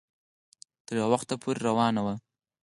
تر يو وخته پورې روانه وه